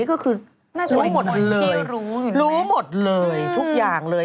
รู้หมดทุกอย่างเลย